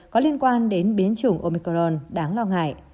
có liên quan đến biến chủng omicron đáng lo ngại